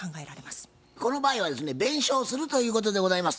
この場合はですね弁償するということでございます。